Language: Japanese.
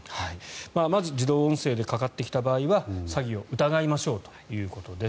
まず自動音声でかかってきた場合は詐欺を疑いましょうということです。